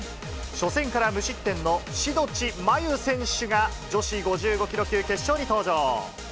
初戦から無失点の志土地真優選手が、え女子５５キロ級決勝に登場。